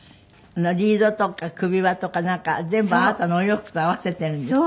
リードとか首輪とか全部あなたのお洋服と合わせているんですって？